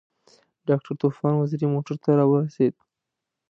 ډاکټر طوفان وزیری موټر سره راورسېد.